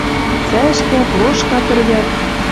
Цӓшкӓ, плошка тӹргӓт